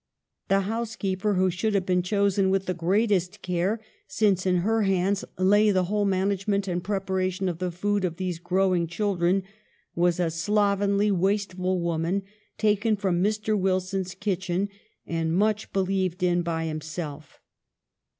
The housekeeper, who should have been chosen with the greatest care, since in her hands lay the whole management and preparation of the food of these growing children, was a slovenly, waste ful woman, taken from Mr. Wilson's kitchen, and much believed in by himself.